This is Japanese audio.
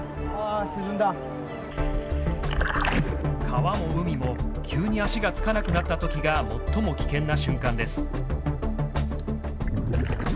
川も海も急に足が着かなくなったときが最も危険な瞬間です。